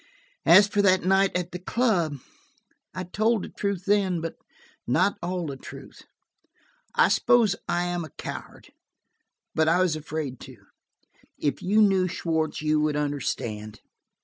"As for that night at the club, I told the truth then, but not all the truth. I suppose I am a coward, but I was afraid to. If you knew Schwartz, you would understand."